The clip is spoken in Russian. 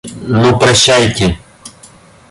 Ну, прощайте.